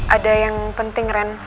ada yang penting ren